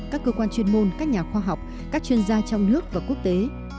các cơ quan chuyên môn các nhà khoa học các chuyên gia trong nước và quốc tế